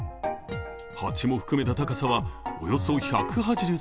鉢も含めた高さはおよそ１８０ｃｍ。